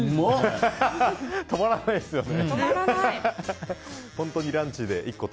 止まらないですよね。